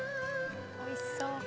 おいしそう！